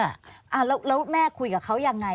แล้วแม่คุยกับเขายังไง